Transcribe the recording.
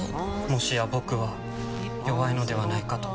もしや僕は弱いのではないかと。